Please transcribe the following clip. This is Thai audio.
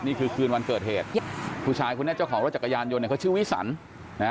นี่คือคืนวันเกิดเหตุผู้ชายคนนี้เจ้าของรถจักรยานยนต์เนี่ยเขาชื่อวิสันนะฮะ